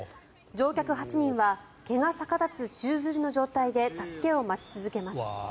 乗客８人は毛が逆立つ宙づりの状態で助けを待ち続けます。